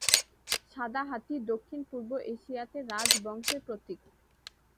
সাদা হাতি দক্ষিণ পূর্ব এশিয়াতে রাজ বংশের প্রতীক।